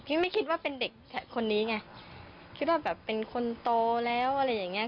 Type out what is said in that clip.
ไม่คิดว่าเป็นเด็กคนนี้ไงคิดว่าแบบเป็นคนโตแล้วอะไรอย่างเงี้